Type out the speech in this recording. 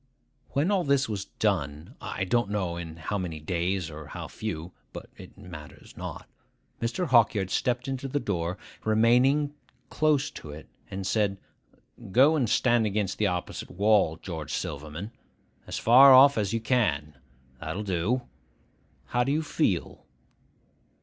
When all this was done,—I don't know in how many days or how few, but it matters not,—Mr. Hawkyard stepped in at the door, remaining close to it, and said, 'Go and stand against the opposite wall, George Silverman. As far off as you can. That'll do. How do you feel?